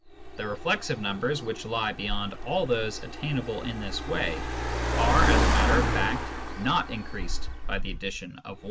The reflexive numbers, which lie beyond all those attainable in this way, are as a matter of fact not increased by the addition of i.